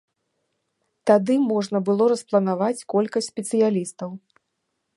Тады можна было распланаваць колькасць спецыялістаў.